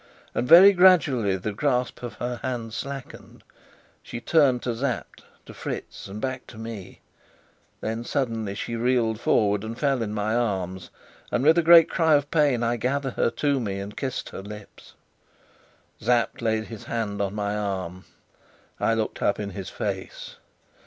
And very gradually the grasp of her hands slackened; she turned to Sapt, to Fritz, and back to me: then suddenly she reeled forward and fell in my arms; and with a great cry of pain I gathered her to me and kissed her lips. Sapt laid his hand on my arm. I looked up in his face.